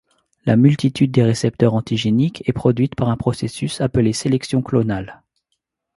La multitude des récepteurs antigéniques est produite par un processus appelé sélection clonale.